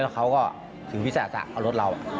แล้วเขาก็ถือวิทยาศาสตร์เอารถเรา